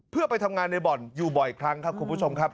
เพื่อไปทำงานในบ่อนอยู่บ่อยครั้งครับคุณผู้ชมครับ